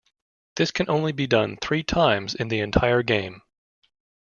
This can only be done three times in the entire game.